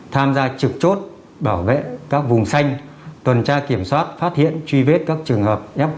tham gia trực chốt bảo vệ các vùng xanh tuần tra kiểm soát phát hiện truy vết các trường hợp f f một